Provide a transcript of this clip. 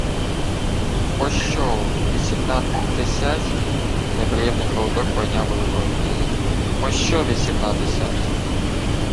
— Пощо... вісімнадесять? — неприємний холодок пойняв Великого князя. — Пощо вісімнадесять?..